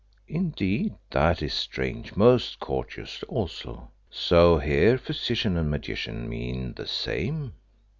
"Indeed, that is strange, most courteous also. So here physician and magician mean the same."